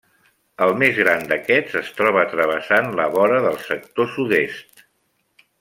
El més gran d'aquests es troba travessant la vora del sector sud-est.